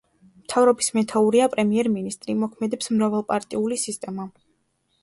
მთავრობის მეთაურია პრემიერ-მინისტრი; მოქმედებს მრავალპარტიული სისტემა.